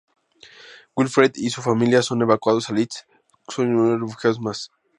Wilfred y su familia son evacuados a Leeds con innumerables refugiados más.